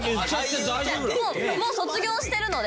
もう卒業してるので。